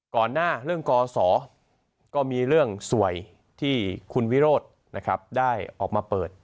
ก่อนหน้าเรื่องกศก็มีเรื่องสวยที่คุณวิโรธนะครับได้ออกมาเปิด